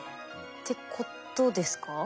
ってことですか？